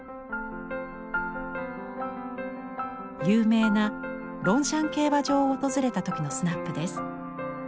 有名なロンシャン競馬場を訪れた時のスナップです。